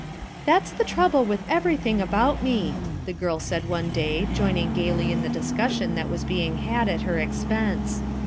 " That's the trouble with everything about me," the girl said one day joining gaily in the discussion that was being had at her expense.